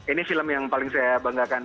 ini film yang paling saya banggakan